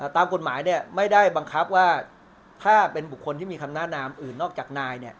ตามกฎหมายไม่ได้บังคับว่าถ้าเป็นบุคคลที่มีคำหน้านามอื่นนอกจากนาย